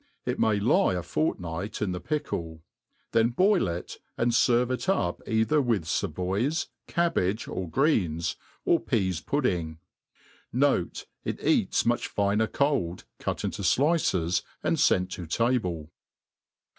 It may lie a fortnight in the pickle }^ then boil it, and ferve it up either with favoys^ cabbage, or greens, or peas pudding. Note, it eats much bner cold, cut into flices, and fent ta' table.